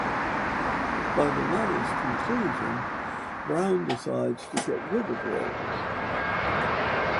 By the novel's conclusion, Brown decides to get rid of Rose.